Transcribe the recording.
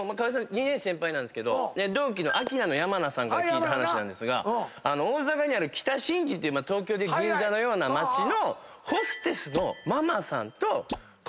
２年先輩なんですけど同期のアキナの山名さんから聞いた話なんですが大阪にある北新地っていう東京でいう銀座のような街のホステスのママさんと河井さん